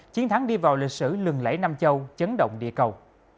chiến thắng đi vào lịch sử lừng lẫy nam châu chấn động địa cầu